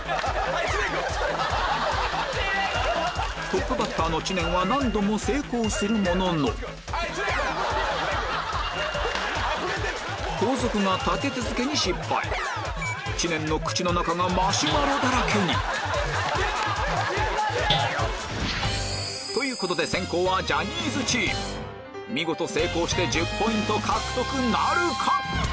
トップバッターの知念は何度も成功するものの後続が立て続けに失敗知念の口の中がマシュマロだらけにということで見事成功して１０ポイント獲得なるか？